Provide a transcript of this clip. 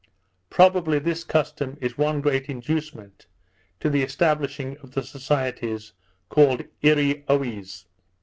Probably this custom is one great inducement to the establishing of the societies called Eareeoies.